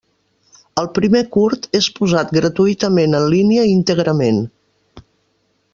El primer curt és posat gratuïtament en línia íntegrament.